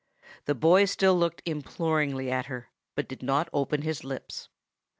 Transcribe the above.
"The boy still looked imploringly at her, but did not open his lips.